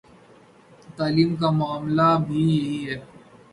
تعلیم کا معاملہ بھی یہی ہے۔